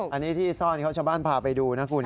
อันนี้ที่ซ่อนเขาชาวบ้านพาไปดูนะคุณ